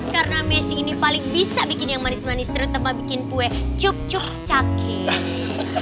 karena messi ini paling bisa bikin yang manis manis terutama bikin kue cup cup cakit